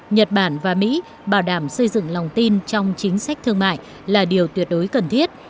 nhật bản và mỹ bảo đảm xây dựng lòng tin trong chính sách thương mại là điều tuyệt đối cần thiết